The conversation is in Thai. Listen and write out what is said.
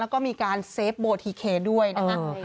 แล้วก็มีการเซฟโบทีเคด้วยนะคะ